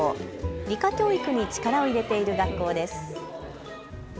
理科教育に力を入れている学校です。